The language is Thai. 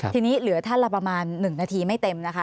ทีนี้เหลือท่านละประมาณ๑นาทีไม่เต็มนะคะ